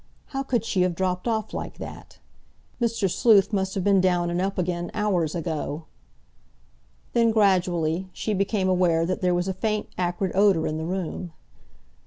How could she have dropped off like that? Mr. Sleuth must have been down and up again hours ago! Then, gradually, she became aware that there was a faint acrid odour in the room.